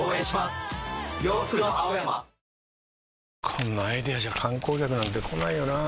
こんなアイデアじゃ観光客なんて来ないよなあ